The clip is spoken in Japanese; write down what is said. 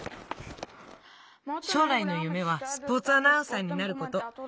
しょうらいのゆめはスポーツアナウンサーになること。